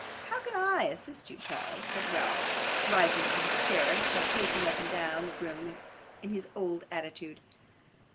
'How can I assist you, child?' said Ralph, rising from his chair, and pacing up and down the room in his old attitude.